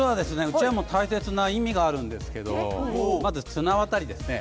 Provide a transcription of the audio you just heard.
うちわも大切な意味があるんですけどまず綱渡りですね。